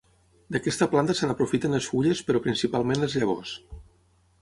D'aquesta planta se n'aprofiten les fulles però principalment les llavors.